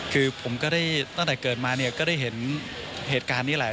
คือผมก็ได้ตั้งแต่เกิดมาเนี่ยก็ได้เห็นเหตุการณ์นี้แหละ